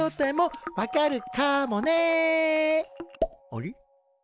あれ？